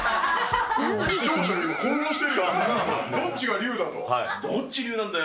視聴者が混乱してるよ。